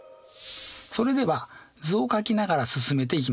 それでは図を書きながら進めていきましょう。